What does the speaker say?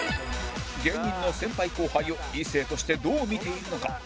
芸人の先輩後輩を異性としてどう見ているのか？